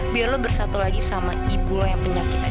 biar lo bersatu lagi sama ibu lo yang penyakit lagi